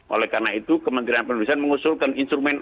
oleh karena itu kementerian perindustrian mengusulkan instrumen